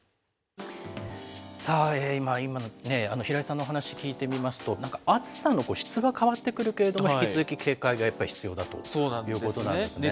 さあ、今のね、平井さんのお話聞いてみますと、なんか暑さの質が変わってくるけれども、引き続き警戒がやはり必そうなんですね。